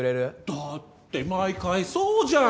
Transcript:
だって毎回そうじゃん。